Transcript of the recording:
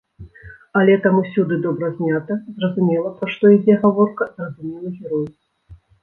Але там усюды добра знята, зразумела, пра што ідзе гаворка, зразумелы герой.